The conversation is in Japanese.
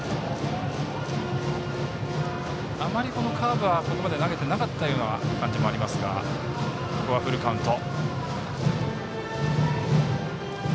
あまり、カーブはここまで投げていなかった感じもありますがフルカウント。